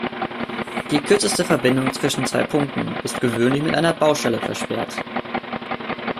Die kürzeste Verbindung zwischen zwei Punkten, ist gewöhnlich mit einer Baustelle versperrt.